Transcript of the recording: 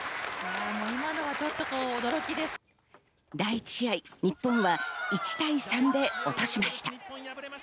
第１試合、日本は１対３で落としました。